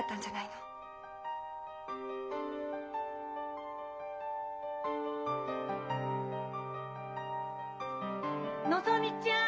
・のぞみちゃん！